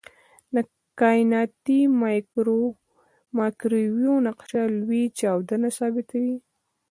د کائناتي مایکروویو نقشه لوی چاودنه ثابتوي.